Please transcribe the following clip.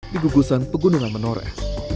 di gugusan pegunungan menoreh